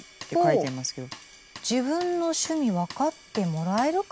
「自分の趣味分かってもらえるかな」。